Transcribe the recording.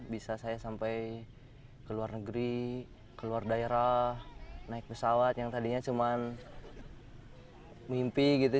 bisa saya sampai ke luar negeri ke luar daerah naik pesawat yang tadinya cuma mimpi gitu